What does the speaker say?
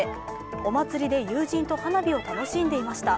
お祭りで友人と花火を楽しんでいました。